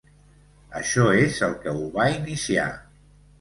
Això és el que ho va iniciar.